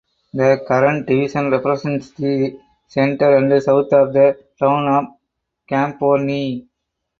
The current division represents the centre and south of the town of Camborne.